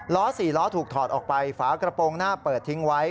๔ล้อถูกถอดออกไปฝากระโปรงหน้าเปิดทิ้งไว้